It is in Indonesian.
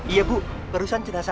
iya bu barusan jenazah